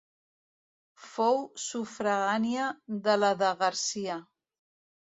Fou sufragània de la de Garcia.